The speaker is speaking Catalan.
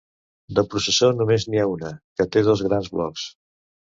De processó només n’hi ha una, que té dos grans blocs.